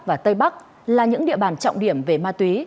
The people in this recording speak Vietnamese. và tây bắc là những địa bàn trọng điểm về ma túy